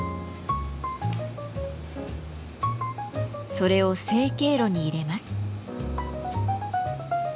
それを成形炉に入れます。